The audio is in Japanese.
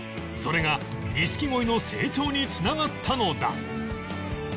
それが錦鯉の成長に繋がったのだ